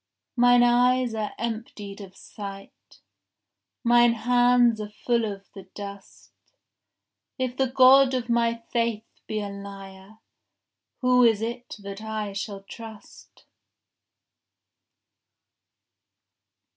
Mine eyes are emptied of sight, Mine hands are full of the dust. If the God of my faith be a liar, Who is it that I shall trust?